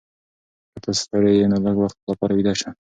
که ته ستړې یې نو لږ وخت لپاره ویده شه.